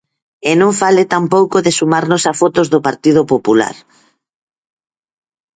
E non fale tampouco de sumarnos a fotos do Partido Popular.